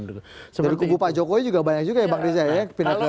dari kubu pak jokowi juga banyak juga ya pak rizal ya pindah ke prabowo